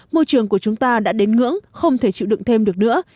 môi trường của chúng ta đã đến ngưỡng không thể chịu đựng thêm được nữa